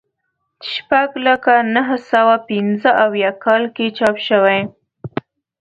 شپږ لکه نهه سوه پنځه اویا کال کې چاپ شوی.